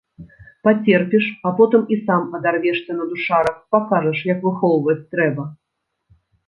Пацерпіш, а потым і сам адарвешся на душарах, пакажаш, як выхоўваць трэба.